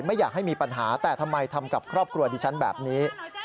ไม่อยากให้มีปัญหาแต่ทำไมทำกับครอบครัวดิฉันแบบนี้